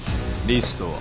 リストは。